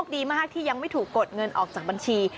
ดีมากที่ยังไม่ถูกกดเงินออกจากบัญชี